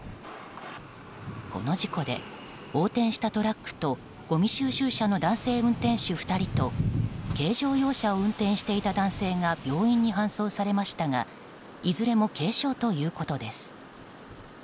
この事故で、横転したトラックとごみ収集車の男性運転手２人と軽乗用車を運転していた男性が病院に搬送されましたがいずれも軽傷ということです。